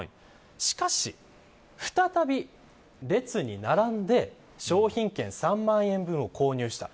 しかし再び列に並んで商品券３万円分を購入した。